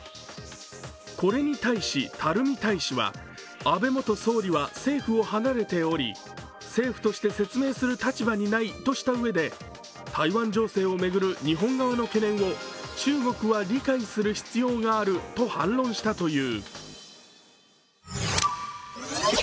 これに対し、垂大使は安倍元総理は政府を離れており政府として説明する立場にないとしたうえで台湾情勢を巡る日本側の懸念を中国は理解する必要があると反論したという。